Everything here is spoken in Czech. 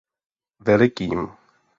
Velikým.